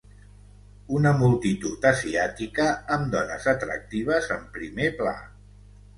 Una multitud asiàtica amb dones atractives en primer pla.